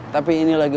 tapi ini lagi begini